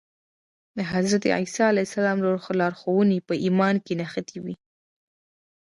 د حضرت عيسی عليه السلام لارښوونې په ايمان کې نغښتې وې.